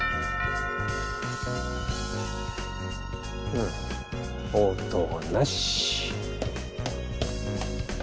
うん応答なし。